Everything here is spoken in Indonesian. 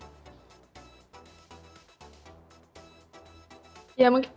oke saya akan cakap dulu saya seperti ada pertanyaan dari pemerintah